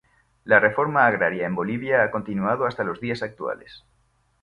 La reforma agraria en Bolivia ha continuado hasta los días actuales.